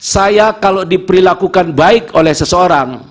saya kalau diperlakukan baik oleh seseorang